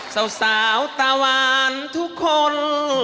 สาวตาวานทุกคน